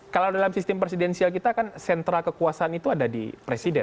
kalau dalam sistem presidensial kita kan sentra kekuasaan itu ada di presiden